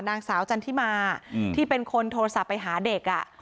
นางสาวจันทิมาที่เป็นคนโทรศัพท์ไปหาเด็ก